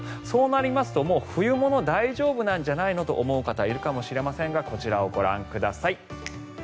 そうなりますともう冬物大丈夫なんじゃないのと思う方いらっしゃるかもしれませんがこちらをご覧ください。